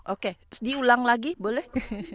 oke diulang lagi boleh